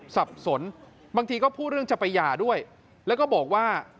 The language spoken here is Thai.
สับสนบางทีก็พูดเรื่องจะไปหย่าด้วยแล้วก็บอกว่า